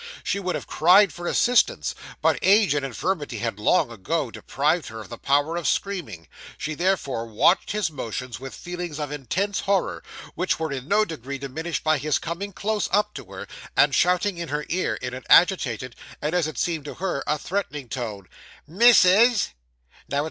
She would have cried for assistance, but age and infirmity had long ago deprived her of the power of screaming; she, therefore, watched his motions with feelings of intense horror which were in no degree diminished by his coming close up to her, and shouting in her ear in an agitated, and as it seemed to her, a threatening tone 'Missus!